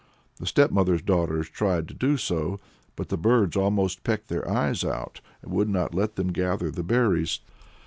The stepmother's daughters tried to do so, but the birds almost pecked their eyes out, and would not let them gather the berries.